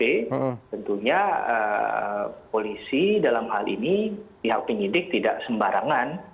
tentunya polisi dalam hal ini pihak penyidik tidak sembarangan